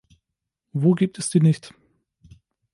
Wo gibt es die nicht?